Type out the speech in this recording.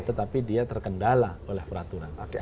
tetapi dia terkendala oleh peraturan